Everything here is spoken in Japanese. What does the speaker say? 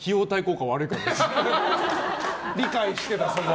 理解してた、そこを。